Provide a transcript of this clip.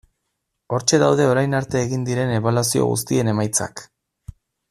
Hortxe daude orain arte egin diren ebaluazio guztien emaitzak.